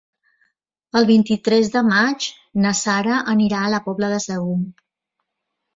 El vint-i-tres de maig na Sara anirà a la Pobla de Segur.